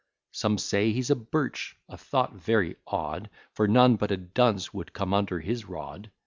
Some say he's a birch, a thought very odd; For none but a dunce would come under his rod.